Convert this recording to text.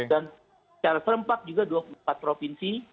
dan secara serempak juga dua puluh empat provinsi